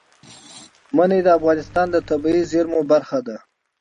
منی د افغانستان د طبیعي زیرمو برخه ده.